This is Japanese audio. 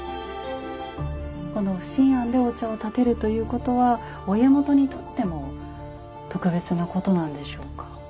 この不審菴でお茶をたてるということはお家元にとっても特別なことなんでしょうか。